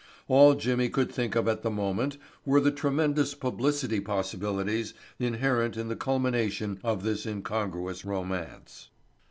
All Jimmy could think of at the moment were the tremendous publicity possibilities inherent in the culmination of this incongruous romance.